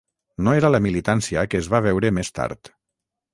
No era la militància que es va veure més tard.